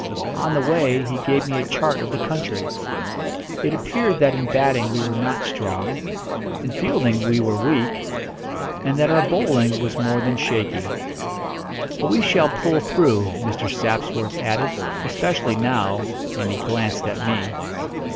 On the way he gave me a chart of the country. It appeared that in batting we were not strong, in fielding we were weak, and that our bowling was more than shaky. "But we shall pull through," Mr. Sapsworth added; "especially now," and he glanced at me.